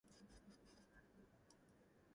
There are small industries as well as shops.